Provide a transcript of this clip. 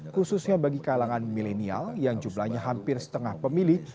khususnya bagi kalangan milenial yang jumlahnya hampir setengah pemilih